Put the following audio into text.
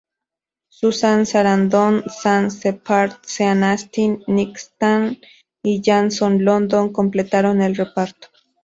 Susan Sarandon, Sam Shephard, Sean Astin, Nick Stahl y Jason London completaron el reparto.